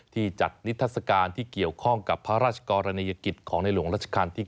ที่จัดนิทัศกาลที่เกี่ยวข้องกับพระราชกรณียกิจของในหลวงราชการที่๙